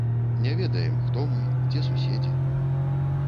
Не ведаем, хто мы, дзе суседзі.